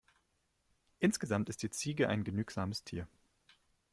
Insgesamt ist die Ziege ein genügsames Tier.